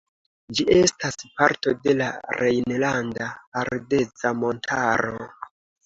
Ĝi estas parto de la Rejnlanda Ardeza Montaro.